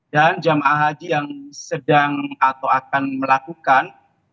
dan jemaah haji yang sedang atau akan melakukan